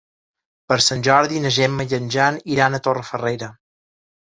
Per Sant Jordi na Gemma i en Jan iran a Torrefarrera.